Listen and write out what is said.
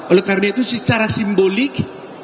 oleh karena itu secara simbolik